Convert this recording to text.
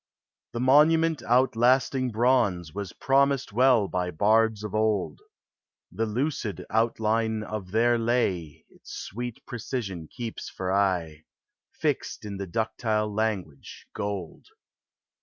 The monument outlasting bronze Was promised well by bards of old ; The lucid outline of their lay Its sweet precision keeps for aye, Fixed in the ductile language gold.